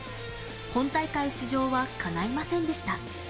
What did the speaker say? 本大会出場は叶いませんでした。